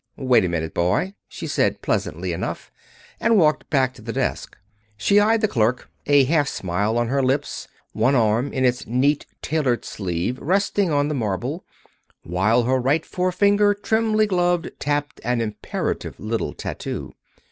"Wait a minute, boy," she said, pleasantly enough; and walked back to the desk. She eyed the clerk, a half smile on her lips, one arm, in its neat tailored sleeve, resting on the marble, while her right forefinger, trimly gloved, tapped an imperative little tattoo.